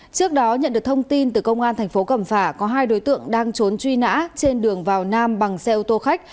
trước đó nhận được thông tin từ công an thành phố cẩm phả có hai đối tượng đang trốn truy nã trên đường vào nam bằng xe ô tô khách